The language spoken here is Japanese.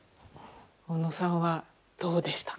小野さんはどうでしたか？